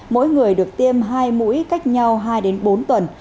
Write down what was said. mỗi người được tiêm hai mũi cách nhau hai đến bốn tuần